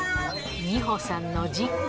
美保さんの実家。